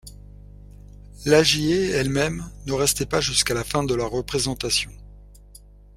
Lagier elle-même ne restait pas jusqu'à la fin de la représentation.